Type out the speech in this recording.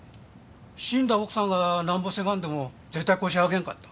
死んだ奥さんがなんぼせがんでも絶対腰上げんかった。